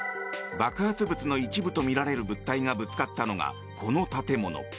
爆発物の一部とみられる物体がぶつかったのがこの建物。